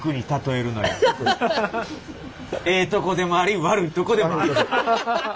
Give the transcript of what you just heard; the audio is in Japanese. ええとこでもあり悪いとこでもある。